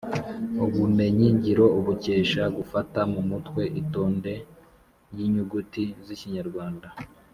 ubumenyi ngiro ubukesha -gufata mu mutwe itonde ry’inyuguti z’ikinyarwanda;